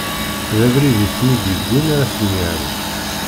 D abrid i ten-id-iwwin ara ten-irren.